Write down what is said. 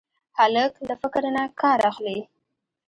هلک له فکر نه کار اخلي.